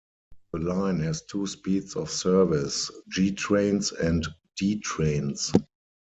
The line has two speeds of service, 'G' trains and 'D' trains.